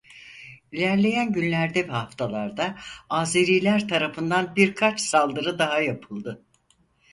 İlerleyen günlerde ve haftalarda Azeriler tarafından birkaç saldırı daha yapıldı.